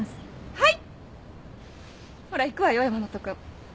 はい。